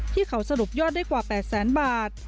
ที่เขาสรุปยอดได้กว่า๘แสนบาท